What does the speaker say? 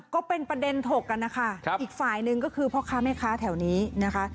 ก็เป็นประเด็นถกกันนะคะอีกฝ่ายหนึ่งก็คือพ่อค้าแม่ค้าแถวนี้นะคะ